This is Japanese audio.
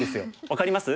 分かります？